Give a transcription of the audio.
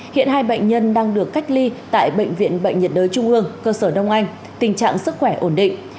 hiện hai bệnh nhân đang được cách ly tại bệnh viện bệnh nhiệt đới trung ương cơ sở đông anh tình trạng sức khỏe ổn định